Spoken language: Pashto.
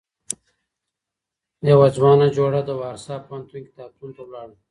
يوه ځوانه جوړه د وارسا پوهنتون کتابتون ته ولاړه.